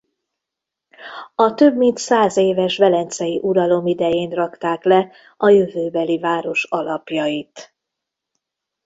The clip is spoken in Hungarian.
A több mint százéves velencei uralom idején rakták le a jövőbeli város alapjait.